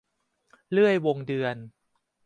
เลื่อยวงเดือน